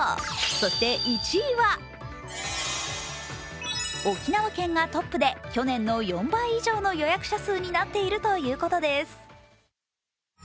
そして１位は沖縄県がトップで去年の４倍以上の予約者数になっているということです。